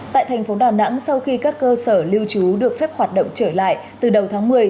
tại thành phố đà nẵng sau khi các cơ sở lưu trú được phép hoạt động trở lại từ đầu tháng một mươi